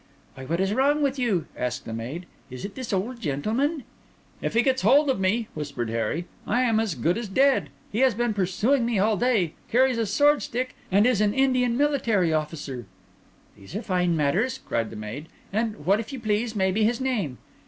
"Why, what is wrong with you?" asked the maid. "Is it this old gentleman?" "If he gets hold of me," whispered Harry, "I am as good as dead. He has been pursuing me all day, carries a sword stick, and is an Indian military officer." "These are fine manners," cried the maid. "And what, if you please, may be his name?"